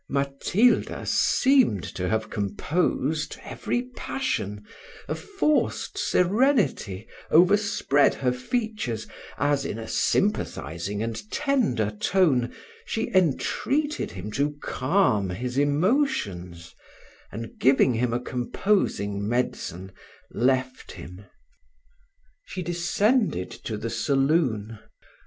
Matilda seemed to have composed every passion: a forced serenity overspread her features, as, in a sympathising and tender tone, she entreated him to calm his emotions, and giving him a composing medicine, left him. She descended to the saloon.